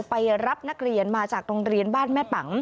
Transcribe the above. ไปรับนักเรียนมาจากโรงเรียนบ้านแม่ปัง